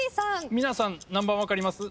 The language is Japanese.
皆さん何番分かります？